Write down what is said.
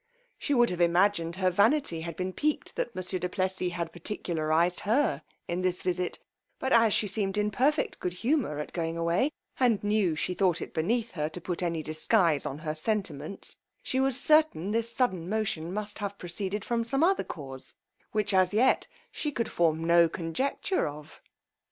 She would have imagined her vanity had been picqued that monsieur du Plessis had particularized her in this visit; but as she seemed in perfect good humour at going away, and knew she thought it beneath her to put any disguise on her sentiments, she was certain this sudden motion must have proceeded from some other cause, which as yet she could form no conjecture of.